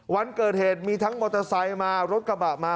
วันเกิดเหตุมีทั้งมอเตอร์ไซค์มารถกระบะมา